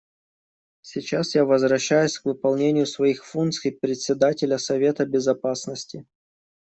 Сейчас я возвращаюсь к выполнению своих функций Председателя Совета Безопасности.